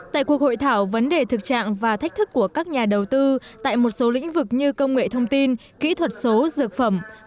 tại cuộc hội thảo vấn đề thực trạng và thách thức của các nhà đầu tư tại một số lĩnh vực như công nghệ thông tin kỹ thuật số dược phẩm